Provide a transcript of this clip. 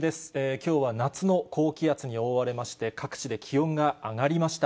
きょうは夏の高気圧に覆われまして、各地で気温が上がりました。